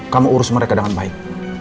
kamu urus mereka dengan baik